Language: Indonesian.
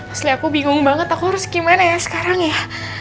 pasti aku bingung banget aku harus gimana ya sekarang ya